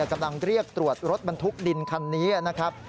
กำลังเรียกตรวจรถบรรทุกดินคันนี้นะครับ